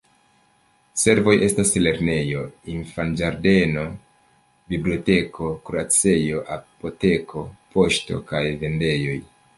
Servoj estas lernejo, infanĝardeno, biblioteko, kuracejo, apoteko, poŝto kaj vendejoj.